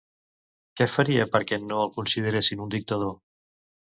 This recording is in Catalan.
Què faria perquè no el consideressin un dictador?